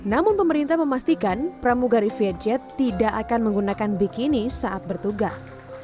namun pemerintah memastikan pramugari vietjet tidak akan menggunakan bikini saat bertugas